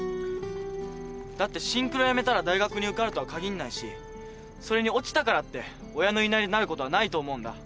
だってシンクロやめたら大学に受かるとは限んないしそれに落ちたからって親の言いなりになることはないと思うんだ。